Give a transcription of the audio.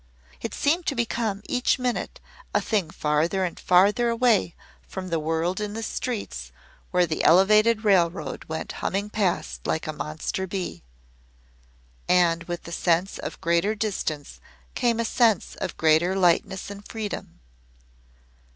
It seemed to become each minute a thing farther and farther away from the world in the streets where the Elevated Railroad went humming past like a monster bee. And with the sense of greater distance came a sense of greater lightness and freedom.